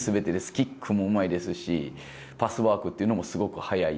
キックもうまいですし、パスワークっていうのもすごく速い。